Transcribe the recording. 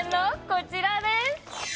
こちらです。